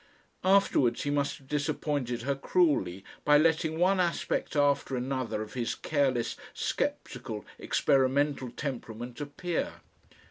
Afterwards he must have disappointed her cruelly by letting one aspect after another of his careless, sceptical, experimental temperament appear.